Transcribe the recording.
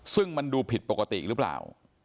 ซึ่งมันดูผิดปกติหรือเปล่า